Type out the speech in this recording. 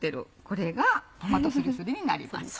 これがトマトすりすりになります。